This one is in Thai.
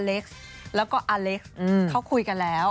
เล็กซ์แล้วก็อเล็กซ์เขาคุยกันแล้ว